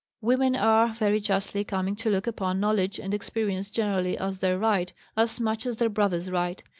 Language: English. Women are, very justly, coming to look upon knowledge and experience generally as their right as much as their brothers' right.